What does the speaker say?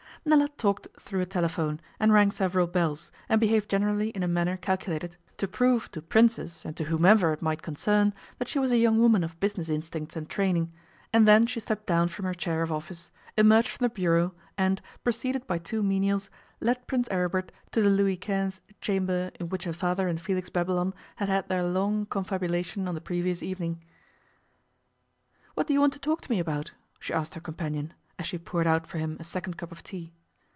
Nella talked through a telephone, and rang several bells, and behaved generally in a manner calculated to prove to Princes and to whomever it might concern that she was a young woman of business instincts and training, and then she stepped down from her chair of office, emerged from the bureau, and, preceded by two menials, led Prince Aribert to the Louis XV chamber in which her father and Felix Babylon had had their long confabulation on the previous evening. 'What do you want to talk to me about?' she asked her companion, as she poured out for him a second cup of tea.